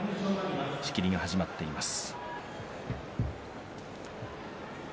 仕切りが始まっています。